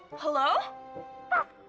w rudal tapi